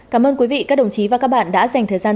cảm ơn quý vị các đồng chí và các bạn đã dành thời gian